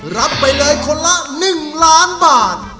รับไปเลยคนละหนึ่งล้านบาท